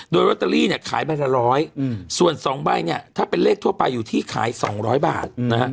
โดยอเตอรี่ขายไปละ๑๐๐ส่วน๒ใบถ้าเป็นเลขทั่วไปอยู่ที่ขาย๒๐๐บาท